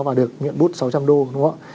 và được nhận bút sáu trăm linh đô đúng không ạ